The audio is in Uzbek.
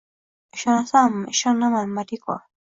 — Ishonaman, ishonaman, Moriko…